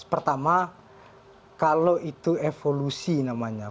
pertama kalau itu evolusi namanya